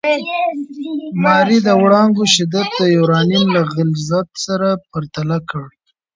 ماري د وړانګو شدت د یورانیم له غلظت سره پرتله کړ.